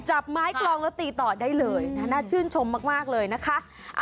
จับไม้กลองแล้วตีต่อได้เลยน่าชื่นชมมากเลยนะคะ